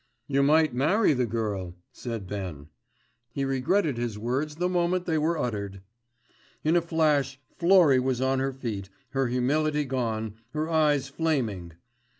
"You might marry the girl," said Ben. He regretted his words the moment they were uttered. In a flash Florrie was on her feet, her humility gone, her eyes flaming.